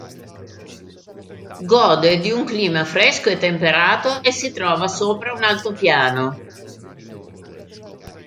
Gode di un clima fresco e temperato e si trova sopra un altopiano.